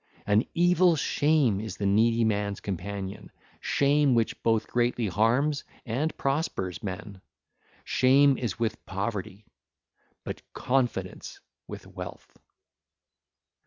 An evil shame is the needy man's companion, shame which both greatly harms and prospers men: shame is with poverty, but confidence with wealth.